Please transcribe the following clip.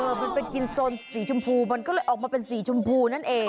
มันเป็นกินโซนสีชมพูมันก็เลยออกมาเป็นสีชมพูนั่นเอง